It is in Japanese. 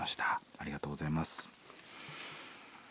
ありがとうございます。